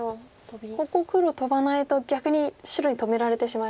ここ黒トバないと逆に白に止められてしまいますか。